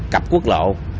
cặp quốc lộ